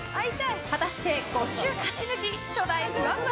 果たして５週勝ち抜き初代ふわふわ